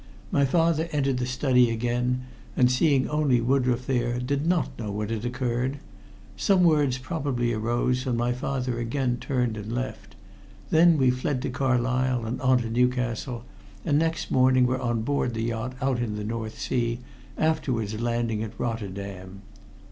My father entered the study again, and seeing only Woodroffe there, did not know what had occurred. Some words probably arose, when my father again turned and left. Then we fled to Carlisle and on to Newcastle, and next morning were on board the yacht out in the North Sea, afterwards landing at Rotterdam.